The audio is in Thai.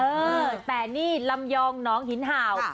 เออแต่นี่ลำยองน้องหินห่าว